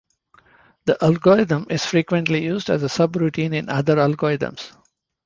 The algorithm is frequently used as a subroutine in other algorithms.